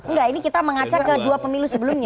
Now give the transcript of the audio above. enggak ini kita mengacak ke dua pemilu sebelumnya